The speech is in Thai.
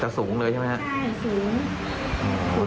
จะสูงเลยใช่ไหมครับใช่สูง